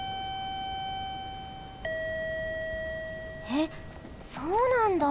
えっそうなんだ！